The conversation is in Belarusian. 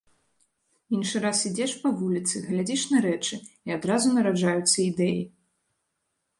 Іншы раз ідзеш па вуліцы, глядзіш на рэчы і адразу нараджаюцца ідэі.